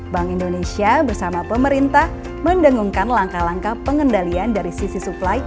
bank indonesia bersama pemerintah mendengungkan langkah langkah pengendalian dari sisi supply